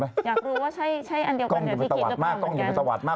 ไม่ได้ไม่ได้อันนี้แน่